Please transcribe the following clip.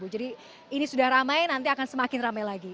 jadi ini sudah ramai nanti akan semakin ramai lagi